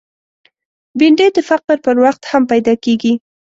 بېنډۍ د فقر پر وخت هم پیدا کېږي